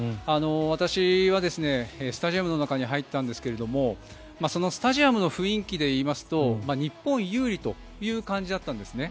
私はスタジアムの中に入ったんですけれどそのスタジアムの雰囲気で言いますと日本有利という感じだったんですね。